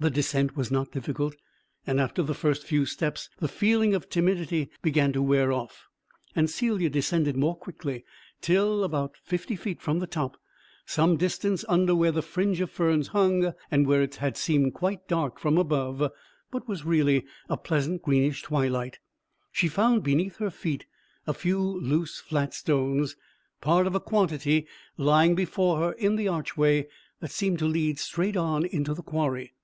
The descent was not difficult, and after the first few steps the feeling of timidity began to wear off, and Celia descended more quickly till, about fifty feet from the top, some distance under where the fringe of ferns hung, and where it had seemed quite dark from above, but was really a pleasant greenish twilight, she found beneath her feet a few loose flat stones, part of a quantity lying before her in the archway that seemed to lead straight on into the quarry.